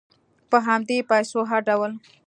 په همدې پیسو هر ډول